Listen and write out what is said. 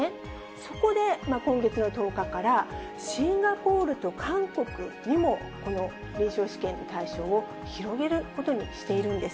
そこで、今月の１０日からシンガポールと韓国にも、この臨床試験の対象を広げることにしているんです。